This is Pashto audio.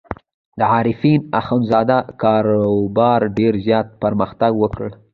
د عارفین اخندزاده کاروبار ډېر زیات پرمختګ وکړ.